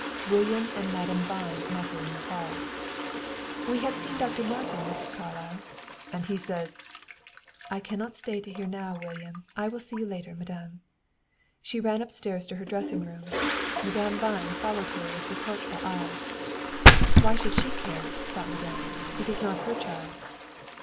William and Madame Vine met her in the hall. "We have seen Dr. Martin, Mrs. Carlyle." "And he says " "I cannot stay to hear now, William. I will see you later, madame." She ran upstairs to her dressing room, Madame Vine following her with her reproachful eyes. "Why should she care?" thought madame. "It is not her child."